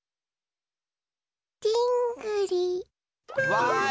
わい！